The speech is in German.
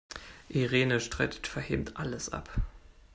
Irene streitet vehement alles ab.